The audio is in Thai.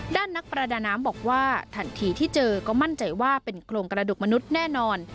นักประดาน้ำบอกว่าทันทีที่เจอก็มั่นใจว่าเป็นโครงกระดูกมนุษย์แน่นอน